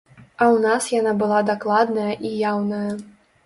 А ў нас яна была дакладная і яўная.